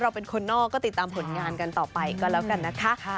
เป็นคนนอกก็ติดตามผลงานกันต่อไปก็แล้วกันนะคะ